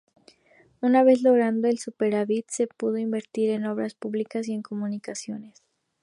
Una vez logrado el superávit, se pudo invertir en obras públicas y en comunicaciones.